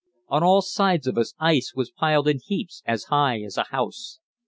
On all sides of us ice was piled in heaps as high as a house.